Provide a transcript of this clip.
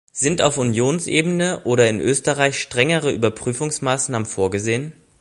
Sind auf Unionsebene oder in Österreich strengere Überprüfungsmaßnahmen vorgesehen?